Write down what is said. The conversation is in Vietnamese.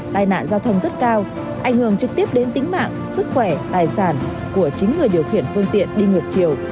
tai nạn giao thông rất cao ảnh hưởng trực tiếp đến tính mạng sức khỏe tài sản của chính người điều khiển phương tiện đi ngược chiều